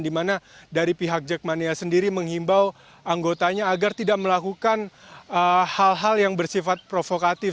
dimana dari pihak jackmania sendiri menghimbau anggotanya agar tidak melakukan hal hal yang bersifat provokatif